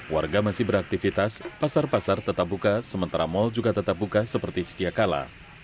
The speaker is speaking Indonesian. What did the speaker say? warga masih beraktivitas pasar pasar tetap buka sementara mal juga tetap buka seperti sedia kala